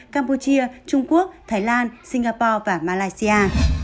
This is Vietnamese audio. campuchia trung quốc thái lan singapore và malaysia